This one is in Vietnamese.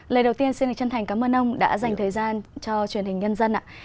lời đầu tiên xin chân thành cảm ơn ông đã dành thời gian cho truyền hình nhân dân ạ